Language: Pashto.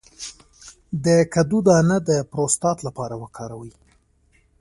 د کدو دانه د پروستات لپاره وکاروئ